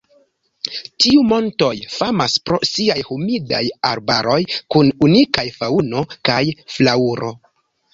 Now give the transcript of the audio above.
Tiu montoj famas pro siaj humidaj arbaroj kun unikaj faŭno kaj flaŭro.